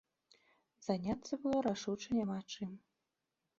Заняцца было рашуча няма чым.